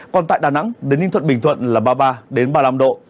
còn tại đà nẵng đến ninh thuận bình thuận là ba mươi ba ba mươi năm độ